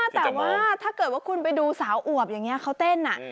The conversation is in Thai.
แต่ว่าถ้าคุณไปดูสาวอบอย่างนี้เขาเต้น